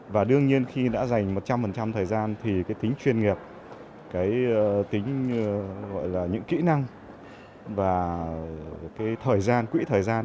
và đương nhiên khi đã dành một trăm linh thời gian thì tính chuyên nghiệp tính những kỹ năng và quỹ thời gian